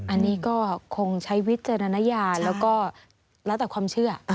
อันนี้ก็คงใช้วิจารณญาณแล้วก็แล้วแต่ความเชื่อ